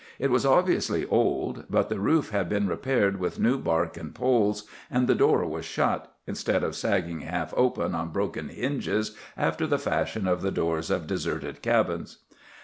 It was obviously old, but the roof had been repaired with new bark and poles and the door was shut, instead of sagging half open on broken hinges after the fashion of the doors of deserted cabins.